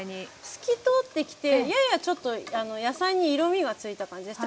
透き通ってきてややちょっと野菜に色みがついた感じです。